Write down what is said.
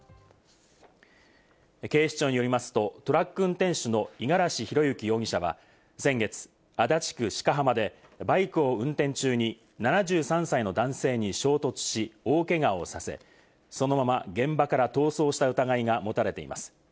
警視庁によりますとトラック運転手の五十嵐博幸容疑者は、先月、足立区鹿浜でバイクを運転中に７３歳の男性に衝突し、大けがをさせ、そのまま現場から逃走した疑いが持たれています。